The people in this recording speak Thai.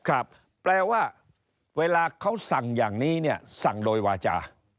แปลว่าเวลาเขาสั่งอย่างนี้เนี่ยสั่งโดยวาจา